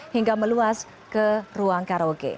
hingga meluas ke ruang karaoke